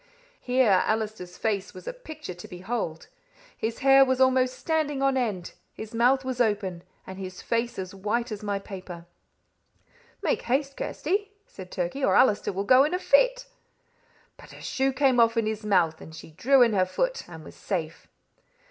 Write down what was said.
Here Allister's face was a picture to behold! His hair was almost standing on end, his mouth was open, and his face as white as my paper. "Make haste, Kirsty," said Turkey, "or Allister will go in a fit." "But her shoe came off in his mouth, and she drew in her foot and was safe."